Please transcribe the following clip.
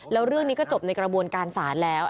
แล้วเรื่องนี้ก็จบในกระบวนการศาลแล้ว